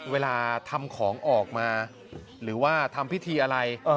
เวลาทำของออกมาหรือว่าทำพิธีอะไร